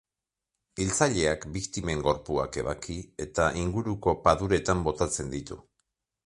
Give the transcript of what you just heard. Hiltzaileak biktimen gorpuak ebaki eta inguruko paduretan botatzen ditu.